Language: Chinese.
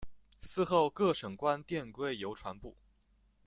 嗣后各省官电归邮传部。